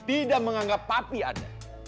tidak menganggap papi ada